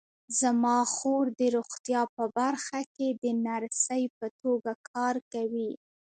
زما خور د روغتیا په برخه کې د نرسۍ په توګه کار کوي